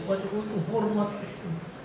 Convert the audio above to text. pak jokowi itu hormat